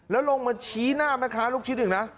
แล้วลงมาชี้หน้าแม่ค้าลูกชิ้นอีกนะ